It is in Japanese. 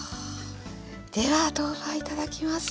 では豆花いただきます。